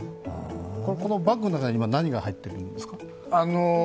このバッグの中には今、何が入っているんですか？